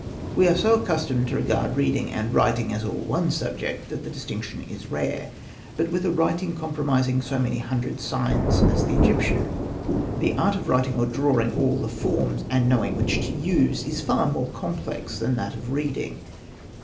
We are so accustomed to regard reading and writing as all one subject that the distinction is rare ; but with a writing comprising so many hundred signs as the Egyptian, the art of writing or draw ing all the forms, and knowing which to use, is far more complex than that of reading.